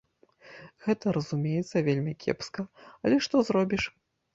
Гэта, разумеецца, вельмі кепска, але што зробіш!